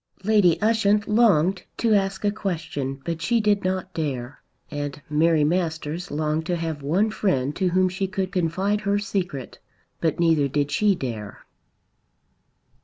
Lady Ushant longed to ask a question, but she did not dare. And Mary Masters longed to have one friend to whom she could confide her secret, but neither did she dare.